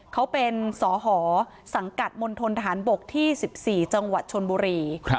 เขาเป็นสหสังกัดมณฑนทหารบกที่๑๔จังหวัดชนบุรี